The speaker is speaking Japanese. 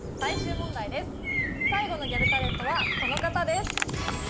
最後のギャルタレントはこの方です。